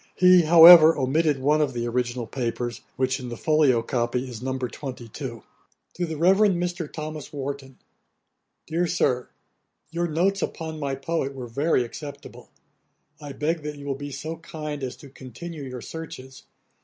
He, however, omitted one of the original papers, which in the folio copy is No. 22. 'To THE REVEREND MR. THOMAS WARTON. 'DEAR SIR, 'Your notes upon my poet were very acceptable. I beg that you will be so kind as to continue your searches.